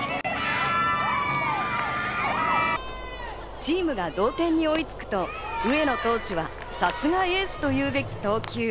チームが同点に追いつくと、上野投手はさすがエースと言うべき投球。